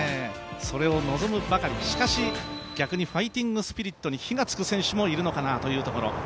それ望むばかり、しかし、逆にファイティングスピリットに火がつく選手もいるのかなというところ。